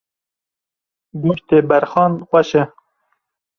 Goştê berxan xweş e.